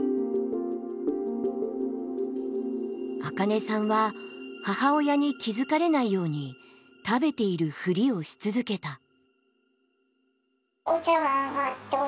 アカネさんは母親に気付かれないように食べているフリをし続けた。